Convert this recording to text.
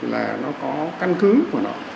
là nó có căn cứ của nó